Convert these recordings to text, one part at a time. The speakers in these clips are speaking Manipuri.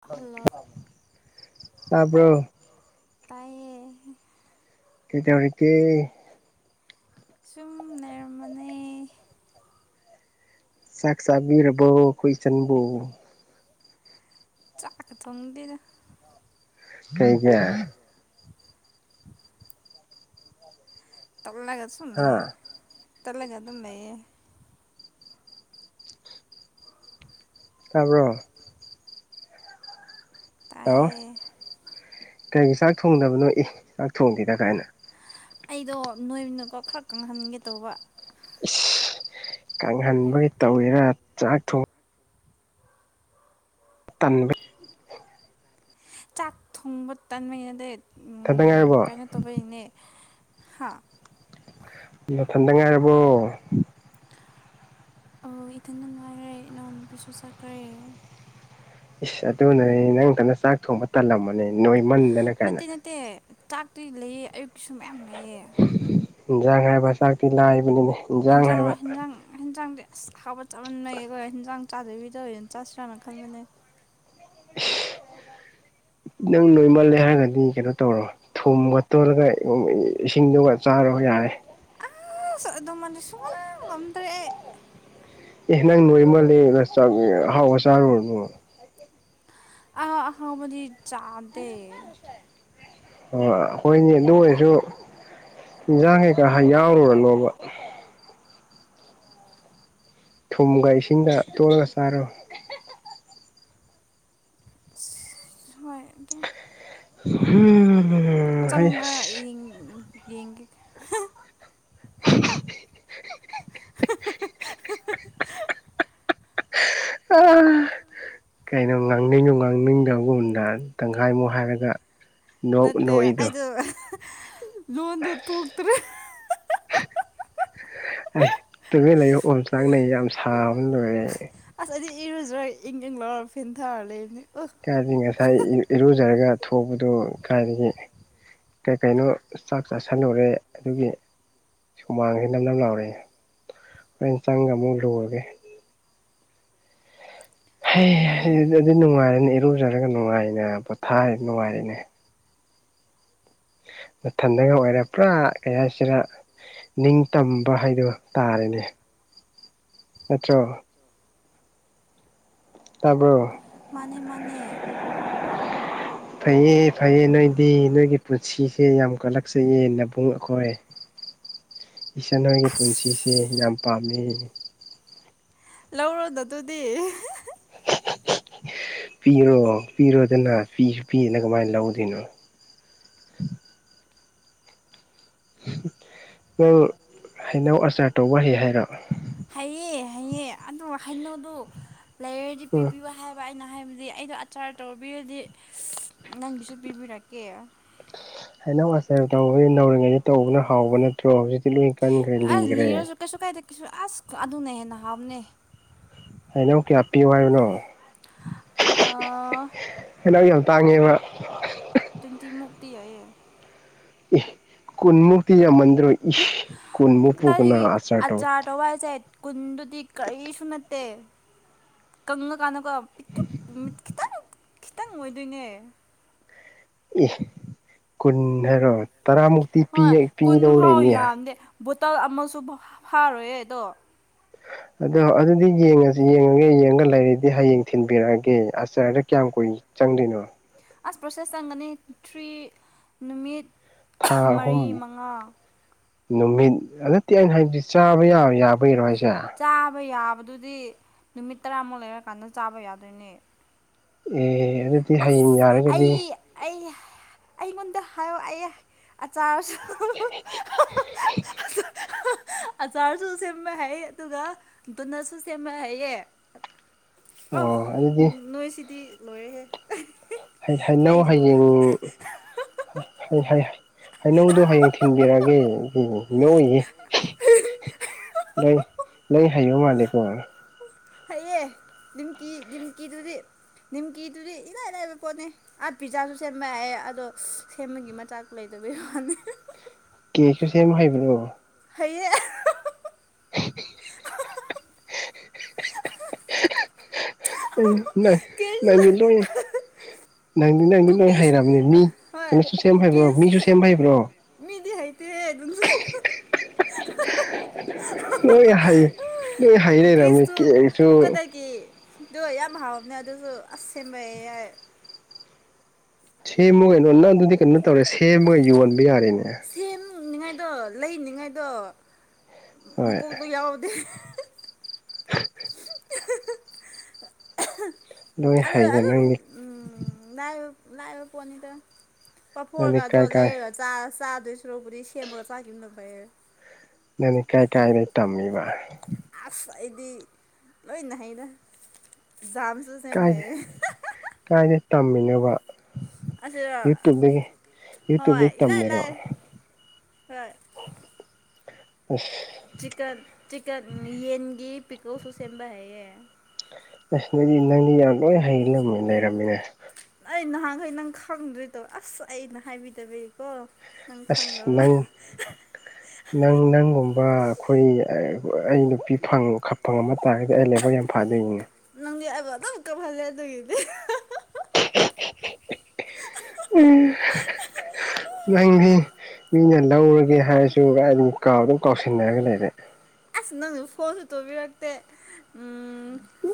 ꯍꯜꯂꯣ ꯇꯄ꯭ꯔꯣ ꯇꯥꯏꯌꯦ ꯀꯗ ꯍꯧ ꯀ ꯁꯨꯝ ꯂꯩꯔꯝꯃꯅꯤ ꯆꯥꯛ ꯆꯥꯕꯤꯔꯕꯣ ꯑꯩꯈꯣꯏ ꯏꯆꯟꯕꯨ ꯆꯥꯛ ꯀ ꯊꯣꯡꯗꯗ ꯀꯩ ꯀ ꯇꯞꯂꯒꯁꯨ ꯍꯥ ꯂꯩꯌꯦ ꯇꯜꯂꯒ ꯑꯗꯨ ꯂꯩꯌꯦ ꯇꯥꯔꯕ ꯇꯥꯏꯌꯦ ꯀꯩꯒꯤ ꯆꯥꯛ ꯊꯣꯡꯗꯕꯅꯣꯏ ꯆꯥꯛ ꯊꯣꯡꯗꯦꯗ ꯀꯥꯏꯅ ꯑꯩꯗꯣ ꯅꯣꯏꯃꯤꯅꯨꯀꯣ ꯈꯔ ꯀꯪꯍꯟꯒꯦ ꯇꯧꯕ ꯏꯁ ꯀꯪꯍꯟꯕꯒꯤ ꯇꯧꯋꯤꯔꯥ ꯆꯥꯛ ꯊꯣꯡ ꯁꯠꯇꯥꯟꯋꯦ ꯆꯥꯛ ꯊꯣꯡꯕ ꯇꯟꯕꯩꯅꯗ ꯊꯗꯉꯔꯤꯕꯣ ꯍꯥ ꯂꯊꯦꯟꯗꯦꯉꯥꯏꯔꯔꯕꯣ ꯑ ꯏꯊꯟ ꯅꯨꯡꯉꯥꯏꯔꯦ ꯅꯎ ꯅꯨꯄꯤꯁꯨ ꯆꯠꯈ꯭ꯔꯦ ꯏꯁ ꯑꯗꯨꯅꯅꯦ ꯅꯪꯗꯅ ꯆꯥꯛ ꯊꯣꯡꯕ ꯇꯜꯂꯝꯕꯅꯦ ꯅꯣꯏꯃꯟꯗꯅ ꯀꯥꯏꯅ ꯇꯥꯛꯇꯣꯏ ꯂꯩꯑꯦ ꯑꯌꯨꯛꯀꯤꯁꯨ ꯃꯌꯥꯝ ꯂꯩꯑ ꯖꯥꯏꯕꯁꯥ ꯄꯤꯂ ꯍꯦꯟꯖꯥꯡ ꯍꯦꯟꯖꯥꯡ ꯍꯦꯟꯖꯥꯡꯗꯤ ꯑꯁ ꯍꯥꯞꯄꯠ ꯆꯞ ꯃꯥꯟꯅꯩꯌꯦ ꯑꯩꯣꯏ ꯍꯟꯖꯥꯡ ꯆꯥꯗꯣꯏꯕꯤꯗꯧꯅ ꯆꯠꯁ꯭ꯔꯅ ꯈꯟꯕꯅꯦ [inaudible] ꯅꯪ ꯅꯣꯏꯃꯜꯂꯦ ꯍꯥꯏꯔꯒꯗꯤ ꯀꯩꯅꯣ ꯇꯧꯔꯣ ꯊꯨꯝꯒ ꯇꯣꯂꯒ ꯏꯁꯤꯡꯗꯨꯒ ꯆꯥꯔꯣ ꯌꯥꯔꯦ ꯁꯗꯃꯥꯟꯁꯨꯨꯡꯥꯡ ꯋꯥꯝ ꯇꯔꯦ ꯑꯦ ꯅꯪ ꯅꯣꯏ ꯃꯥꯜꯂꯦ ꯑꯍꯥꯎꯕ ꯆꯥꯔꯔꯕꯣ ꯑ ꯑ ꯃꯗꯤ ꯆꯥꯗ ꯑꯩꯈꯣꯏꯅꯤ ꯑꯗꯨ ꯑꯣꯏꯔꯁꯨ ꯏꯟꯁꯥꯡ ꯀꯩꯀꯥ ꯌꯥꯎꯔꯨꯔꯅꯣꯕ ꯊꯨꯝꯒ ꯏꯁꯤꯡꯗ ꯇꯣꯜꯂꯒ ꯆꯥꯔꯣ ꯍꯣꯏ ꯑꯗꯨꯗ ꯎꯝ ꯍꯥꯏꯁꯤ ꯌꯦꯡꯒꯤꯦ [inaudible] [inaudible] ꯑ ꯀꯩꯅꯣ ꯉꯥꯡꯅꯤꯡꯉꯣ ꯉꯥꯡꯅꯤꯡꯗꯕꯒꯗ ꯇꯪꯈꯥꯏꯃꯣꯛ ꯍꯥꯏꯔꯒ ꯅ ꯅ ꯏꯗ ꯂꯣꯟꯗ ꯊꯣꯛꯇ꯭ꯔꯦ ꯑꯩ ꯇꯨꯃꯤꯅ ꯂꯩꯌ ꯑꯣꯝ ꯆꯥꯛꯅꯩ ꯌꯥꯝ ꯁꯥꯎꯕꯅ ꯂꯣꯏꯔꯦ ꯑꯩ ꯑꯁ ꯑꯩꯗꯤ ꯏꯔꯨꯖ꯭ꯔꯥ ꯏꯪ ꯏꯪ ꯂꯧꯔ ꯐꯦꯟꯊꯥꯔ ꯂꯩꯕꯅꯤ ꯈꯗꯒꯤ ꯉꯁꯥꯏ ꯏꯔꯨꯖꯔꯒ ꯊꯣꯛꯄꯗꯨ ꯀꯥꯏꯗꯒꯤ ꯀꯩ ꯀꯩꯅꯣ ꯆꯥꯛ ꯆꯥꯁꯤꯟꯅꯨꯔꯦ ꯑꯗꯨꯒꯤ ꯁꯨꯃꯥꯡꯁꯤꯦ ꯅꯝ ꯅꯝ ꯂꯥꯎꯔꯛꯏꯦ ꯍꯣꯔꯩꯅ ꯆꯪꯒ ꯑꯃꯨꯛ ꯂꯨꯔꯒꯦ ꯍ ꯑꯣ ꯑꯗꯨ ꯅꯨꯡꯉꯥꯏꯔꯦꯅꯦ ꯏꯔꯨꯖꯔꯒ ꯅꯨꯡꯉꯥꯏꯅꯦ ꯄꯣꯊꯥꯔꯤ ꯅꯨꯡꯉꯥꯏꯔꯅꯦ ꯎ ꯃꯊꯟꯗꯒ ꯑꯣꯏꯔꯦ ꯄꯨꯔꯥ ꯀꯌꯥꯁꯤꯔ ꯅꯤꯡꯇꯝꯕ ꯍꯥꯏꯗꯣ ꯇꯥꯔꯦꯅꯦ [inaudible] ꯑꯆꯣ ꯇꯥꯔꯕ꯭ꯔꯣ ꯃꯅꯦ ꯃꯅꯦ ꯐꯩꯌꯦ ꯐꯩꯌꯦ ꯅꯣꯏꯗꯤ ꯅꯣꯏꯒꯤ ꯄꯨꯟꯁꯤꯁꯦ ꯌꯥꯝ ꯀꯠꯂꯛꯆꯩꯑ ꯅꯕꯨꯡ ꯑꯩꯈꯣꯏ ꯎꯝ ꯏꯁ ꯅꯎꯒꯤ ꯄꯨꯟꯁꯤꯁꯦ ꯌꯥꯝ ꯄꯥꯝꯃꯤ ꯂꯧꯔꯣꯗ ꯑꯗꯨꯗꯤ ꯄꯤꯔꯣ ꯄꯤꯔꯣꯗꯅ ꯄꯤꯁꯨ ꯄꯤꯗꯅ ꯀꯃꯥꯏꯅ ꯂꯧꯗꯣꯏꯅꯣ [inaudible] ꯅꯪ ꯍꯩꯅꯧ ꯑꯆꯥꯔ ꯇꯧꯕ ꯍꯩ ꯍꯥꯏꯔ ꯍꯩꯑ ꯍꯩꯌꯦꯦ ꯑꯗꯨ ꯍꯩꯅꯣꯗꯨ ꯂꯩꯔꯔꯗꯤ ꯎꯝ ꯄꯤꯕꯤꯌꯨ ꯍꯥꯏꯕ ꯑꯩꯅ ꯩꯅ ꯍꯥꯏꯕꯗꯤ ꯑꯩꯗꯣ ꯑꯆꯥꯔ ꯇꯧꯕꯤꯔꯗꯤ ꯅꯪꯒꯤꯁꯨ ꯄꯤꯕꯤꯔꯛꯀꯦ ꯍꯥꯏꯩꯅꯧ ꯑꯁꯦ ꯇꯧꯕ ꯅꯧꯔꯤꯉꯩꯗ ꯇꯧꯕꯅ ꯍꯥꯎꯕ ꯅꯠꯇ꯭ꯔꯣ ꯍꯧꯖꯤꯛꯇꯛ ꯆꯠꯂꯀꯥꯟ ꯑꯁ ꯔꯦꯂꯤ꯭ꯔ ꯂꯤꯔꯁꯨ ꯀꯩꯁꯨ ꯀꯥꯏꯗꯦ ꯀꯩꯁꯨ ꯑꯁ ꯑꯗꯨꯅ ꯍꯦꯟꯅ ꯍꯥꯎꯅꯦ ꯍꯥꯏꯩꯅ ꯑꯣ ꯀꯌꯥ ꯍꯥꯄꯤꯌꯨ ꯍꯥꯏꯔꯤꯅꯣ ꯑꯥ ꯍꯩꯅ ꯌꯥꯝ ꯇꯥꯡꯉꯦꯕ ꯇꯤꯟꯇꯃꯨꯛꯇꯛꯇꯤ ꯍꯥꯏꯌꯦ ꯀꯨꯟꯃꯨꯛꯇꯇꯤ ꯌꯥ ꯃꯟ꯭ꯔ ꯀꯨꯟ ꯃꯨꯄꯨꯈꯅ ꯀꯗꯥꯏꯗꯒꯤ ꯑꯆꯥꯔꯔꯣ ꯑꯆꯥꯔ ꯇꯧꯕ ꯍꯥꯏꯁꯦ ꯀꯨꯟꯗꯨꯗꯤ ꯀꯔꯤꯁꯨ ꯅꯠꯇꯦ ꯀꯪꯉꯀꯥꯟꯗꯀꯣ ꯄꯤ ꯈꯤꯇꯪ ꯈꯤꯇꯪ ꯑꯣꯏꯗꯣꯏꯅꯦ ꯑꯦ ꯀꯨꯟ ꯍꯥꯏꯔꯣ ꯇꯔꯥꯃꯨꯛꯇꯤ ꯍꯣꯏ ꯀꯨꯟ ꯄꯤꯗꯧ ꯐꯥꯎ ꯂꯩꯅꯤ ꯍꯥꯏ ꯌꯥꯝꯗꯦ ꯕꯣꯇꯜ ꯑꯃꯁꯨ ꯐꯥꯔꯣꯏꯌꯦ ꯑꯗꯣ ꯑꯗꯣ ꯑꯗꯨꯗꯤ ꯌꯦꯡꯉꯁꯤ ꯌꯦꯡꯉꯒ ꯌꯦꯡꯉꯒ ꯂꯩꯔꯗꯤ ꯍꯌꯦꯡ ꯊꯤꯟꯕꯤꯔꯛꯑꯒꯦ ꯑꯆꯥꯔꯗ ꯀꯌꯥꯝ ꯀꯨꯏ ꯆꯪꯗꯣꯏꯅꯣ ꯑꯁ ꯄ꯭ꯔꯣꯁꯦꯁ ꯆꯪꯒꯅꯤ ꯊ꯭ꯔꯤ ꯅꯨꯃꯤꯠ ꯊꯥ ꯃꯔꯤ ꯑꯍꯨꯝ ꯃꯉꯥ ꯅꯨꯃꯤꯠ ꯑꯗꯨꯠꯇꯦ ꯑꯩꯅ ꯍꯥꯏ ꯆꯥꯕ ꯌꯥ ꯌꯥꯕꯒꯤꯔꯣ ꯍꯥꯏꯁ ꯆꯥꯕ ꯌꯥꯕꯗꯨꯗꯤ ꯅꯨꯃꯤꯠ ꯇꯔꯥꯃꯨꯛ ꯂꯩꯔꯀꯥꯟꯗ ꯆꯥꯕ ꯌꯥꯗꯣꯏꯅꯦ ꯑꯦ ꯑꯗꯨꯗꯤ ꯍꯌꯦꯡ ꯑꯁ ꯌꯥꯔꯒꯗꯤ ꯑꯩ ꯑꯩ ꯑꯩꯉꯣꯟꯗ ꯍꯥꯏꯌꯣ ꯑꯩ ꯑꯆꯥꯔꯁꯨ [inaudible] [inaudible] ꯑꯆꯥꯔꯁꯨ ꯁꯦꯝꯕ ꯍꯥꯏꯩ ꯑꯗꯨꯒ ꯅꯁꯨ ꯁꯦꯝꯕ ꯍꯥꯏꯌꯦ ꯑ ꯑꯣ ꯑꯗꯨꯗꯤ ꯅꯣꯏ ꯁꯤꯗꯤ ꯂꯣꯏꯔꯦꯍꯦ ꯍꯥꯏꯅꯧ ꯑꯩꯕꯨ ꯍꯌꯦꯡ ꯍꯩꯅꯧꯗꯣ ꯍꯌꯦꯡ ꯊꯤꯟꯕꯤꯔꯒꯦ ꯅꯣꯏꯌꯦ ꯂꯩ ꯂꯩ ꯍꯥꯏꯌꯣ ꯃꯥꯅꯤꯀꯣꯔ ꯍꯥꯏꯌꯦꯌꯦ ꯗꯤꯝꯀꯤ ꯗꯤꯝꯀꯤꯗꯨꯗꯤ ꯅꯤꯝꯀꯤꯗꯨꯗꯤ ꯏꯔꯥꯏ ꯂꯥꯏꯕ ꯄꯣꯠꯅꯤ ꯑꯥ ꯄꯤꯖꯥꯁꯨ ꯁꯦꯝꯕ ꯌꯥꯦ ꯑꯗꯣ ꯁꯦꯝꯕꯒꯤ ꯃꯆꯥꯛ ꯂꯩꯗ ꯐꯅꯤ ꯀ ꯀꯁ ꯑꯃ ꯍꯥꯏꯕꯤꯅꯣ ꯍꯌꯦ ꯎꯝ ꯅꯪ ꯀꯦꯛꯁꯨ ꯅꯪꯗꯤ ꯂꯨꯏ ꯪꯗꯤ ꯂꯣꯏ ꯀꯨꯀꯤꯁ ꯍꯩꯔꯕꯅꯤ ꯃꯤ ꯍꯣꯏ ꯀꯩꯅꯣꯁꯨ ꯁꯦꯝꯕ ꯍꯥꯏꯩꯕ꯭ꯔꯣ ꯀꯨꯀꯤꯁ ꯃꯤꯁꯨ ꯁꯦꯝꯕ ꯍꯩꯕ꯭ꯔꯣ ꯃꯤꯗꯤ ꯑꯗꯨꯁꯨ ꯅꯣꯏ ꯍꯩ ꯅꯣꯏ ꯍꯩ ꯂꯩꯔꯝꯃꯤ ꯀꯦꯛꯁꯨ ꯑꯗꯨ ꯌꯥꯝ ꯍꯥꯎꯕꯅꯦ ꯑꯗꯨꯁꯨ ꯑꯁ ꯁꯦꯝꯕ ꯌꯥꯏ ꯁꯦꯝꯃꯒꯩꯅꯣ ꯅꯪ ꯑꯗꯨꯗꯤ ꯀꯩꯅꯣ ꯇꯧꯔꯦ ꯁꯦꯝꯃꯒ ꯌꯣꯟꯕ ꯌꯥꯔꯦꯅꯦ ꯑꯗꯣ ꯂꯩꯅꯤꯉꯥꯏꯗꯣ ꯍꯣꯏ ꯃꯀꯣꯛꯇꯣ ꯌꯥꯎꯗꯦ [inaudible] ꯑ ꯂꯣꯏ ꯑꯗꯨ ꯍꯩꯔꯦ ꯑꯗꯨ ꯅꯪꯗꯤ ꯎꯝ ꯅ ꯂꯥꯛꯏꯕ ꯄꯣꯠꯅꯤꯗ ꯅꯪꯗꯤ ꯄꯥꯐꯣꯔꯒꯗꯣ ꯀꯥꯏ ꯀꯥꯏ ꯂꯩꯔꯒ ꯎꯗ ꯆꯨꯔꯣꯕꯗꯤ ꯁ ꯁꯦꯝꯃꯕ ꯆꯥꯒꯦ ꯂꯕꯏ ꯅꯅꯦ ꯀꯥꯏ ꯀꯥꯏ ꯂꯩꯩ ꯇꯝꯃꯤꯕ ꯑꯁ ꯑꯩꯗꯤ ꯂꯣꯏꯅ ꯍꯩꯅ ꯝꯁꯨꯁꯦꯃ ꯇꯝꯃꯤꯕ ꯌꯨꯇꯨꯨꯞꯇꯒꯤ ꯍꯣꯏ ꯌꯨꯇꯨꯕꯇꯒꯤ ꯏꯂꯥꯏ ꯇꯝꯃꯤꯔꯣ ꯂꯥꯏ ꯍꯣꯏ ꯑ ꯆꯤꯀꯟ ꯆꯤꯀꯟ ꯌꯦꯟꯒꯤ ꯄꯤꯀꯜꯁꯨ ꯁꯦꯝꯕ ꯍꯩꯏꯌꯦ꯫ ꯑꯁ ꯅꯪ ꯅꯪꯗꯤ ꯌꯥꯝ ꯂꯣꯏ ꯍꯩ ꯂꯩꯔꯝꯃꯦꯅꯦ ꯂꯩꯔꯝꯃꯦꯅꯦ꯫ ꯑꯩ ꯅꯍꯥꯟꯒꯩ ꯅꯪ ꯈꯪꯗꯔꯤꯗꯣ ꯑꯁ ꯑꯩꯅ ꯍꯥꯏꯕꯤꯗꯕꯩꯀꯣ꯫ ꯑꯁ ꯅꯪ ꯅꯪ ꯅꯪꯒꯨꯝꯕ ꯑꯩꯈꯣꯏ ꯑꯩ ꯅꯨꯄꯤ ꯐꯪ ꯐꯪꯉꯝꯃ ꯇꯥꯔꯒꯗꯤ ꯑꯩ ꯂꯥꯏꯕꯛ ꯌꯥꯝ ꯐꯥꯅꯦꯃꯤ꯫ ꯅꯪꯗꯤ ꯑꯩꯕꯨ ꯑꯗꯨꯝ ꯀꯞꯐꯜꯂꯦ ꯑꯗꯨꯒꯤꯗꯤ [unintelligible] ꯎꯝ [unintelligible] ꯅꯪꯗꯤ ꯃꯤꯅ ꯂꯧꯔꯒꯦ ꯍꯥꯏꯔꯁꯨ ꯅꯪ ꯑꯗꯨꯝ ꯀꯥꯎꯗꯨꯝ ꯀꯥꯎꯁꯤꯟꯅꯔꯒ ꯂꯩꯔꯦ꯫ ꯑꯁ ꯅꯪꯁꯨ ꯐꯣꯟꯁꯨ ꯇꯧꯕꯤꯔꯛꯇꯦ ꯎꯝ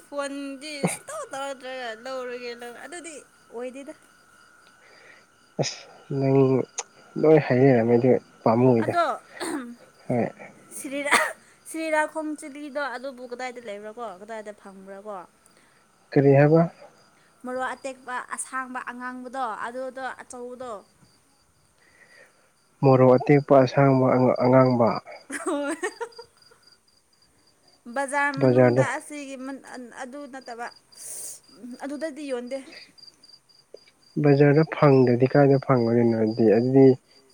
ꯐꯣꯟꯒꯤ ꯁꯨꯡꯇꯧ ꯇꯧꯔ ꯅꯠꯇ꯭ꯔꯒ ꯂꯧꯔꯒꯦ ꯂꯧ ꯑꯗꯨꯗꯤ ꯑꯣꯏꯗꯦꯗ꯫ ꯑꯁ ꯅꯪ ꯂꯣꯏ ꯍꯥꯏꯔꯛꯑꯝꯃꯗꯤ ꯑꯗꯣ ꯑꯝ ꯁꯔꯤꯔꯥ꯫ ꯁꯤꯔꯥꯈꯣꯡ ꯆꯤꯂꯤꯗꯣ ꯑꯗꯨꯕꯨ ꯀꯗꯥꯏꯗ ꯂꯩꯕ꯭ꯔꯥ ꯀꯣ ꯀꯗꯥꯏꯗ ꯐꯪꯕ꯭ꯔꯥ ꯀꯣ꯫ ꯀꯔꯤ ꯍꯥꯏꯕ꯫ ꯃꯔꯣꯛ ꯑꯇꯦꯛꯄ ꯑꯁꯥꯡꯕ ꯑꯉꯥꯡꯕꯗꯣ ꯑꯗꯨꯗꯣ ꯑꯆꯧꯕꯗꯣ꯫ ꯃꯣꯔꯣꯛ ꯑꯇꯦꯛꯄ ꯑꯁꯥꯡꯕ ꯑꯉꯥꯡꯕ꯫ [unintelligible] ꯍꯣꯢ ꯕꯖꯥꯔ ꯃꯅꯨꯡꯗ ꯕꯖꯥꯔꯗ ꯑꯁꯤꯒꯤ ꯑꯗꯨ ꯅꯠꯇꯕ ꯎꯝ ꯑꯗꯨꯗꯗꯤ ꯌꯣꯟꯗꯦ꯫ ꯕꯖꯥꯔꯗ ꯐꯪꯗ꯭ꯔꯗꯤ ꯀꯗꯥꯥꯏꯗ ꯐꯪꯉꯗꯣꯏꯅꯣ ꯑꯗꯨꯗꯤ ꯑꯗꯨꯗꯤ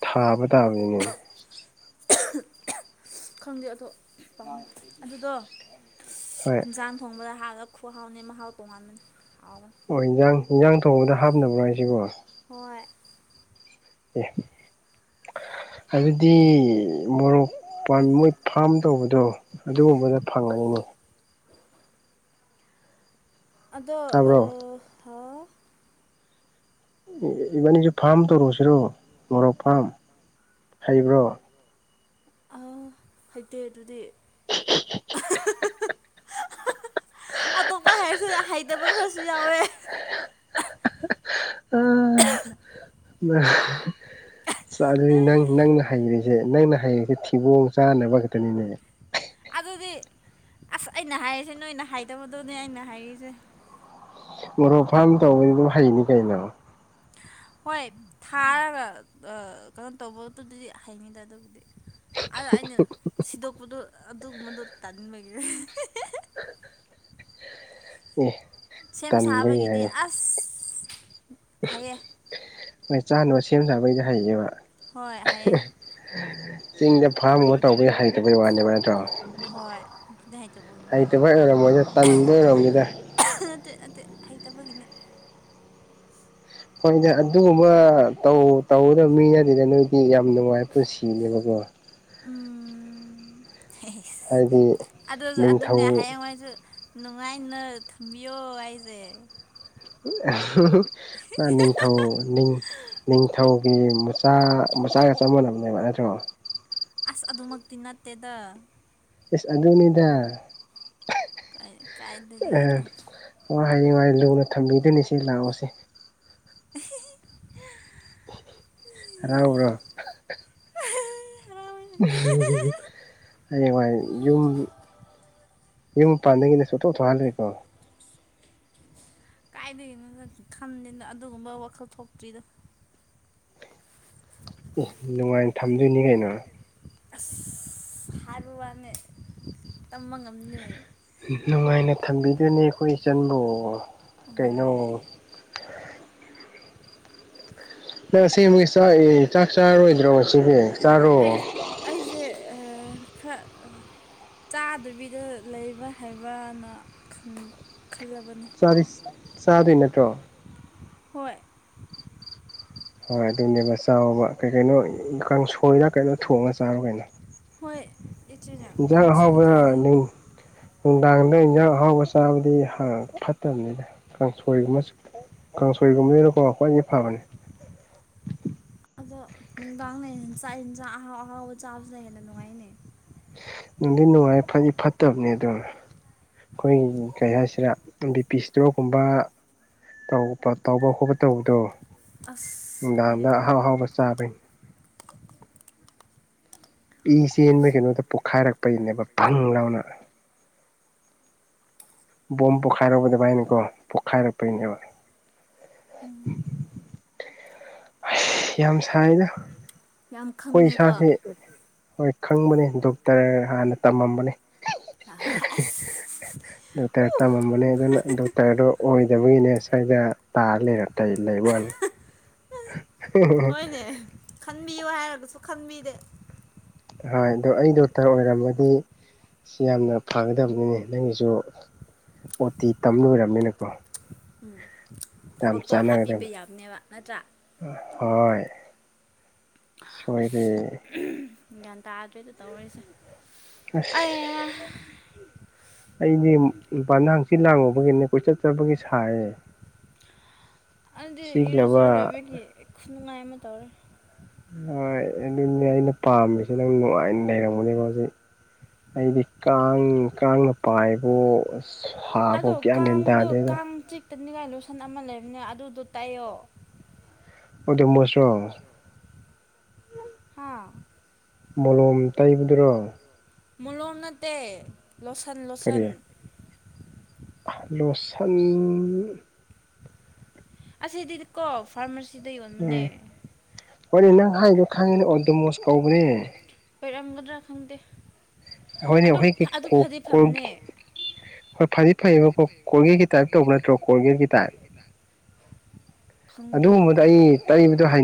ꯊꯥꯕ ꯇꯥꯕꯅꯤꯅꯦ꯫ [unintelligible] ꯈꯪꯗꯦ ꯑꯗꯣ ꯄꯥꯝꯃꯦ ꯑꯗꯨꯗꯣ꯫ ꯍꯣꯏ ꯏꯟꯖꯥꯡ ꯊꯣꯡꯕꯗ ꯍꯥꯞꯂ ꯈꯨꯍꯥꯎꯅꯤ ꯃꯍꯥꯎ ꯇꯣꯡꯉꯥꯟꯕꯅꯤ ꯍꯥꯎ ꯑꯣ ꯏꯟꯖꯥꯡ ꯏꯟꯖꯥꯡ ꯊꯣꯡꯕꯗ ꯍꯥꯞꯅꯕ꯭ꯔꯥ ꯍꯥꯏꯖꯤꯕꯣ꯫ ꯍꯣꯏ꯫ ꯑꯦ꯫ ꯑꯗꯨꯗꯤ ꯃꯣꯔꯣꯛ [unintelligible] ꯃꯣꯏ ꯐꯥꯝ ꯇꯧꯕꯗꯣ ꯑꯗꯨꯒꯨꯝꯕꯗ ꯐꯪꯂꯅꯤꯅꯦ꯫ ꯑꯗꯣ ꯑ ꯇꯥꯕ꯭ꯔꯣ ꯍꯥ ꯏꯕꯥꯅꯤꯁꯨ ꯐꯥꯝ ꯇꯧꯔꯨꯁꯤꯔꯣ ꯃꯣꯔꯣꯛ ꯐꯥꯝ ꯍꯩꯕ꯭ꯔꯣ꯫ ꯑ ꯍꯩꯇꯦ ꯑꯗꯨꯗꯤ [unintelligible] ꯑꯇꯣꯞꯄ ꯍꯥꯏꯔꯁꯨ ꯍꯩꯇꯕ ꯈꯔꯁꯨ ꯌꯥꯎꯋꯦ꯫ [unintelligible] [unintelligible] ꯆꯥꯅꯩ ꯅꯪ ꯅꯪꯅ ꯍꯩꯔꯤ ꯖꯦ ꯅꯪꯅ ꯍꯩꯔꯤꯖꯦ ꯊꯤꯕꯣꯡ ꯆꯥꯅꯕ ꯈꯛꯇꯅꯤꯅꯦ꯫ ꯑꯗꯨꯗꯤ ꯑꯁ ꯑꯩꯅ ꯍꯥꯢꯔꯤꯖꯦ ꯅꯣꯏꯅ ꯍꯩꯇꯕꯗꯨꯅꯦ ꯑꯩꯅ ꯍꯥꯏꯔꯤꯖꯦ꯫ ꯃꯣꯔꯣꯛ ꯐꯥꯝ ꯇꯧꯕꯩꯕꯨ ꯍꯩꯅꯤ ꯀꯩꯅꯣ꯫ ꯍꯣꯏ ꯊꯥꯔꯒ ꯑ ꯀꯩꯅꯣ ꯇꯧꯕꯗꯨꯗꯤ ꯍꯩꯅꯤꯗ ꯑꯗꯨꯕꯨꯗꯤ꯫ ꯑꯗ ꯑꯩꯅ ꯁꯤꯗꯣꯛꯄꯗꯣ ꯑꯗꯨꯒꯨꯝꯕꯗꯣ ꯇꯟꯕꯒꯤꯅꯦ [unintelligible] ꯑꯦ꯫ ꯁꯦꯝ ꯇꯟꯕꯒꯤ ꯁꯥꯕꯒꯤꯗꯤ ꯍꯥꯏꯌꯦ ꯑꯁ ꯍꯩꯌꯦ꯫ ꯍꯣꯏ ꯆꯥꯅꯕ ꯁꯦꯝ ꯁꯥꯕꯩꯗꯤ ꯍꯩꯅꯦꯕ꯫ ꯍꯣꯏ ꯍꯩꯌꯦ꯫ ꯆꯤꯡꯗ ꯐꯥꯝꯒ ꯇꯧꯕꯩ ꯍꯩꯇꯕꯩ ꯋꯥꯅꯦꯕ ꯅꯠꯇ꯭ꯔꯣ꯫ ꯍꯣꯏ ꯑꯗꯨꯗꯤ ꯍꯩꯇꯕꯒꯤ ꯋꯥꯅꯤ ꯍꯩꯇꯕꯩ ꯑꯣꯏꯔꯝꯃꯣꯏꯗ ꯇꯟꯕ ꯑꯣꯏꯔꯝꯅꯤꯗ꯫ ꯅꯠꯇꯦ ꯅꯠꯇꯦ ꯍꯩꯇꯕꯒꯤꯅꯦ꯫ ꯍꯣꯏꯅꯦ ꯑꯗꯨꯒꯨꯝꯕ ꯇꯝ ꯇꯝꯒꯗꯕ ꯃꯤ ꯅꯠꯇꯦꯅꯦ ꯅꯣꯏꯗꯤ ꯌꯥꯝ ꯅꯨꯡꯉꯥꯏ ꯄꯨꯟꯁꯤꯅꯦꯕꯀꯣ꯫ ꯍꯥꯏꯗꯤ [unintelligible] ꯑꯗꯨꯖꯨ ꯑꯗꯨꯅꯦ ꯅꯤꯡꯊꯧ ꯍꯌꯦꯡꯋꯥꯏꯖꯨ ꯅꯨꯡꯉꯥꯏꯅ ꯊꯝꯕꯤꯌꯣ ꯑꯩꯖꯦ꯫ ꯅꯤꯡꯊꯧ ꯅꯤꯡꯊꯧ ꯑꯩꯒꯤ ꯃꯆꯥ ꯃꯆꯥꯒ ꯆꯞ ꯃꯥꯟꯅꯕꯅꯦꯕ ꯅꯠꯇ꯭ꯔꯣ ꯑꯁ ꯑꯗꯨꯃꯛꯇꯤ ꯅꯠꯇꯦꯗ ꯏꯁꯁ ꯑꯗꯨꯅꯤꯗ ꯀꯥꯏꯗꯒꯤ ꯍꯌꯦꯡꯋꯥꯥꯏ ꯂꯨꯅ ꯊꯝꯕꯤꯗꯣꯏꯅꯤ ꯁꯤ ꯂꯥꯛꯑꯣꯁꯦ [unintelligible] ꯍꯔꯥꯎꯕ꯭ꯔꯣ ꯑꯩꯥꯏ ꯌꯨꯝ ꯌꯨꯝ ꯄꯥꯟꯗꯒꯤꯅꯦꯁꯨꯇꯣꯛ ꯊꯣꯡꯍꯜꯂꯦꯀꯣ ꯀꯥꯏꯗꯅꯣ ꯈꯟꯗꯦꯅ ꯑꯗꯨꯒꯨꯝꯕ ꯋꯥꯈꯜ ꯊꯣꯛꯇ꯭ꯔꯤꯗꯣ ꯎ ꯅꯨꯡꯉꯥꯏ ꯊꯝꯗꯣꯏꯅꯤ ꯀꯩꯅꯣ ꯍꯥꯏꯔꯨ ꯋꯥꯅꯦ ꯇꯝꯕ ꯉꯝꯗꯦ ꯅꯨꯡꯉꯥꯏꯅ ꯊꯝꯕꯤꯗꯨꯣꯏꯅꯦ ꯑꯩꯈꯣꯏ ꯏꯆꯟꯕꯨ ꯀꯩꯅꯣ ꯍꯣꯏ ꯅꯪ ꯑꯁꯤꯃꯛ ꯆꯥꯛꯏ ꯆꯥꯛ ꯆꯥꯔꯣꯏꯗ꯭ꯔꯣ ꯁꯤꯁ ꯆꯥꯔꯣ ꯑꯩꯁ ꯑꯩꯁꯦ ꯈꯔ ꯆꯥꯗꯕꯤꯗ ꯂꯩꯕ꯭ꯔꯥ ꯍꯥꯏꯕ꯭ꯔꯅ ꯈꯟꯕ ꯈꯜꯂꯕꯅꯤ ꯆꯔꯤ ꯆꯥꯗꯣꯏ ꯅꯥꯠꯇꯔꯣ ꯍꯣꯏ ꯍꯣꯏ ꯑꯗꯨꯅꯦꯕ ꯆꯥꯎꯕ ꯀꯩ ꯀꯩꯅꯣ ꯀꯥꯡꯁꯣꯏꯗ ꯀꯩꯅꯣ ꯊꯣꯡꯉꯒ ꯆꯥꯔꯨ ꯀꯩꯅꯣ [unintelligible] ꯏꯟꯁꯪ ꯀꯥꯡꯁꯣꯏ ꯑꯍꯥꯎꯕ ꯊꯣꯡꯉꯦ ꯂꯥꯡꯗ ꯏꯟꯖꯥꯡ ꯑꯍꯥꯎꯕ ꯆꯥꯕꯗꯤ ꯍ ꯐꯠꯇꯕꯅꯤꯅ ꯀꯥꯡꯁꯣꯏꯒꯨꯝꯕ ꯆ ꯀꯥꯡꯁꯣꯏꯒꯨꯝꯕꯅꯤꯅꯀꯣ ꯈ꯭ꯋꯥꯏꯅꯤ ꯐꯕꯅꯤ [unintelligible] ꯑꯗꯣ ꯅꯨꯡꯗꯥꯡꯅ ꯆꯥꯛ ꯌꯦꯟꯁꯥꯛ ꯑꯍꯥꯎ ꯑꯍꯥꯎꯕ ꯆꯥꯕꯁꯤꯗ ꯍꯦꯟꯅ ꯅꯨꯡꯉꯥꯏꯅꯩ ꯗꯤ ꯅꯨꯡꯉꯥꯏ ꯐꯗꯤ ꯐꯠꯇꯕꯅꯦ ꯑꯗꯨꯝ ꯑꯩꯈꯣꯏꯒꯤ ꯀꯩ ꯍꯥꯏꯁꯤꯗ ꯕꯤ ꯄꯤ ꯏꯁꯇꯣꯛꯒꯨꯝꯕ ꯇꯧꯕ ꯈꯣꯠꯄ ꯇꯧꯕꯗꯣ ꯑꯁ ꯍꯣꯏ ꯅꯨꯡꯗꯥꯡꯗ ꯑꯍꯥꯎ ꯑꯍꯥꯎꯕ ꯆꯥꯕꯩꯅꯤ ꯏ ꯆꯦꯟꯕ ꯀꯩꯅꯣꯗ ꯄꯣꯛꯈꯥꯏꯔꯛꯄꯩꯅꯦꯕ ꯄꯪ ꯂꯥꯎꯅ ꯕꯣꯝ ꯄꯣꯈꯥꯏꯔꯛꯄꯗ ꯚꯥꯏꯅꯦꯀꯣ ꯄꯣꯛꯈꯥꯏꯔꯛꯄꯩꯅꯦꯕ ꯎꯝ ꯌꯥꯝ ꯁꯥꯏꯅ ꯌꯥꯝ ꯑꯩꯈꯣꯏ ꯈꯪꯉꯦꯀꯣ ꯏꯁꯥꯥꯁꯦ ꯍꯣꯏ ꯈꯪꯕꯅꯦ ꯗꯣꯛꯇꯔ ꯍꯥꯟꯅ ꯇꯝꯃꯝꯕꯅꯦ ꯑꯁ [unintelligible] ꯗꯣꯛꯇꯔ ꯎ ꯇꯝꯃꯝꯕꯅꯦ ꯑꯗꯨꯅ ꯗꯣꯛꯇꯔꯗꯨꯣ ꯑꯣꯏꯗꯕꯒꯤꯅꯦ ꯁꯗ ꯇꯥꯔ ꯂꯩꯔ ꯇꯇꯩ ꯂꯩꯕꯅꯤ ꯍꯣꯏꯅꯦ ꯈꯟꯕꯤꯌꯨ ꯍꯥꯏꯔꯒꯁꯨ ꯈꯟꯕꯤꯗꯦ ꯍꯣꯏ ꯑꯗꯣ ꯑꯩ ꯗꯣꯛꯇꯔ ꯑꯣꯏꯔꯝꯃꯗꯤ ꯁꯤ ꯌꯥꯝꯅ ꯐꯒꯗꯕꯅꯤꯅꯦ ꯅꯪꯒꯤꯁꯨ ꯑꯣ ꯇꯤ ꯇꯝ ꯂꯣꯏꯔꯕꯅꯤꯅꯀꯣ ꯎꯝ ꯌꯥꯝ ꯊꯕꯛꯇꯣ ꯆꯥꯅ ꯑꯗꯨꯝ ꯍꯥꯞꯄꯤꯕ ꯌꯥꯕꯅꯦꯕ ꯅꯠꯇ꯭ꯔꯥ ꯍꯣꯏ ꯁꯣꯏꯔꯤ ꯒ꯭ꯌꯥꯟ ꯇꯥꯗ꯭ꯔꯦꯗꯣ ꯇꯧꯔꯤꯁꯦ ꯑꯁ [unintelligible] ꯑꯩꯗꯤ ꯅꯨꯄꯥ ꯅꯍꯪꯁꯤ ꯂꯥꯡꯉꯨꯕꯒꯤꯅꯦ ꯀꯣꯏꯆꯠ ꯆꯕꯒꯤ ꯐꯌꯦ ꯑꯗꯨꯗꯤ ꯏꯔꯣꯖꯔ ꯂꯣꯏꯕꯒꯤ ꯅꯨꯡꯉꯥꯏ ꯑꯃ ꯇꯧꯔꯦ ꯍꯣꯏ ꯑꯗꯨꯅꯦ ꯑꯩꯅ ꯄꯥꯝꯃꯤꯁꯤ ꯑꯗꯨ ꯅꯨꯡꯉꯥꯏꯅ ꯂꯩꯔꯝꯒꯅꯦꯀꯣ ꯍꯧꯖꯤꯛ ꯑꯩꯗꯤ ꯀꯥꯡ ꯀꯥꯡꯅ ꯄꯥꯏꯕꯨ ꯁꯥꯕ ꯒꯤꯌꯟ ꯃꯦꯟꯇꯥꯗꯦꯗ꯫ ꯇꯩꯅꯤꯡꯉꯥꯏ ꯂꯨꯁꯟ ꯑꯃ ꯂꯩꯕꯅꯦ ꯑꯗꯨꯗꯣ ꯇꯩꯌꯣ꯫ ꯑꯣꯗꯣ ꯃꯣꯁ ꯔꯣ꯫ ꯍꯥꯥ꯫ ꯃꯣꯂꯣꯝ ꯇꯩꯕꯗꯨꯔꯣ꯫ ꯃꯣꯂꯣꯝ ꯅꯠꯇꯦ ꯂꯣꯁꯟ ꯂꯣꯁꯟ꯫ ꯀꯔꯤ ꯂꯣꯁꯟ꯫ ꯑꯁꯤꯗꯤ ꯀꯣ ꯐꯥꯔꯃꯥꯁꯤꯗ ꯌꯣꯟꯕꯅꯦ꯫ ꯎꯝ ꯍꯣꯏꯅꯦ ꯅꯪ ꯍꯥꯏꯗꯣ ꯈꯪꯉꯤꯅꯦ ꯑꯣ ꯗꯣꯃꯣꯁ ꯀꯧꯕꯅꯦ꯫ ꯑꯣꯏꯔꯝꯒꯗ꯭ꯔꯥ ꯈꯪꯗꯦ꯫ ꯍꯣꯏꯅꯦ [unintelligible] ꯑꯗꯨ [unintelligible] ꯑꯗꯨ ꯐꯗꯤ ꯐꯕꯅꯦ ꯍꯣꯏ ꯐꯗꯤ ꯐꯩꯌꯦꯕ ꯀꯣ ꯀꯣꯔꯒꯦꯠꯀꯤ ꯇꯥꯏꯞ ꯇꯧꯕ ꯅꯠꯇ꯭ꯔꯣ ꯀꯣꯔꯒꯦꯠꯒꯤ ꯇꯥꯏꯞ꯫ ꯈꯪꯗꯦ ꯑꯗꯨꯒꯨꯝꯕꯗꯣ ꯑꯗꯨꯗꯤ ꯑꯩ ꯇꯩꯕꯗ ꯍꯩ